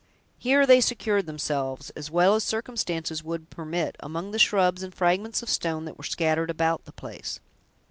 Here they secured themselves, as well as circumstances would permit, among the shrubs and fragments of stone that were scattered about the place.